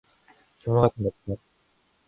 괴물같은 건 없어요.